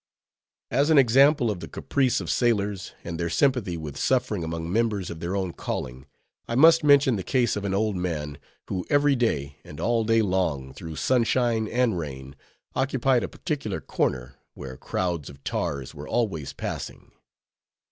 As an example of the caprice of sailors, and their sympathy with suffering among members of their own calling, I must mention the case of an old man, who every day, and all day long, through sunshine and rain, occupied a particular corner, where crowds of tars were always passing.